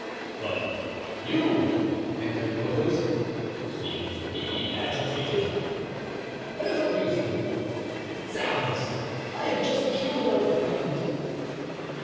"But you," answered Porthos, "seem to me agitated." "There's a reason! Zounds! I have just killed an old friend."